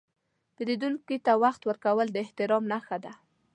پیرودونکي ته وخت ورکول د احترام نښه ده.